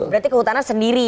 berarti kehutanan sendiri